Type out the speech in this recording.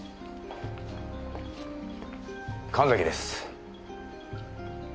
神崎です。